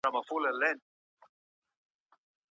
د لاس لیکنه د تخیل د ځواکمنولو وسیله ده.